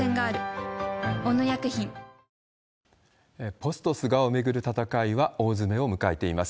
ポスト菅を巡る戦いは大詰めを迎えています。